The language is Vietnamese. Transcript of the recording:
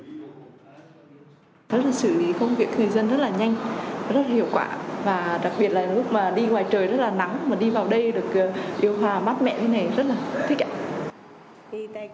nó là xử lý công việc người dân rất là nhanh rất hiệu quả và đặc biệt là lúc mà đi ngoài trời rất là nắng mà đi vào đây được điều hòa mát mẻ như thế này rất là thích ạ